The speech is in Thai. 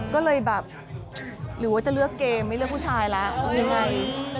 ก็เลยแบบหรือว่าจะเลือกเกมไม่เลือกผู้ชายแล้วยังไง